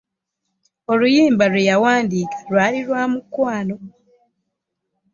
Oluyimba lweyawandiika lwali lwa mukwano.